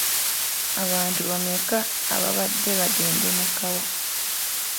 Abantu bameka abaabadde bagenda e Nakawa?